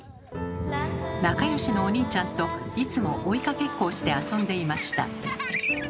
仲良しのお兄ちゃんといつも追いかけっこをして遊んでいました。